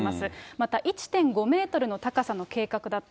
また１．５メートルの高さの計画だった。